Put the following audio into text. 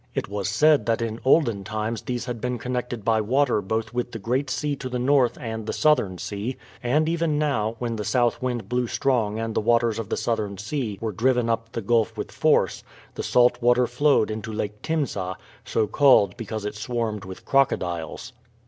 It was said that in olden times these had been connected by water both with the Great Sea to the north and the Southern Sea; and even now, when the south wind blew strong and the waters of the Southern Sea were driven up the gulf with force, the salt water flowed into Lake Timsah, so called because it swarmed with crocodiles.